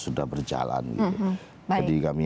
sudah berjalan jadi kami